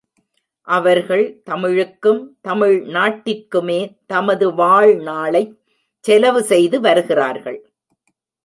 அவர்கள் தமிழுக்கும் தமிழ் நாட்டிற்குமே தமது வாழ் நாளைச் செலவு செய்து வருகிறார்கள்.